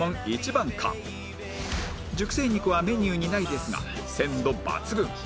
熟成肉はメニューにないですが鮮度抜群！